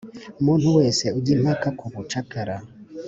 umuntu wese ujya impaka ku bucakara,